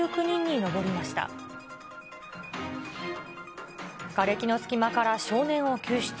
がれきの隙間から少年を救出。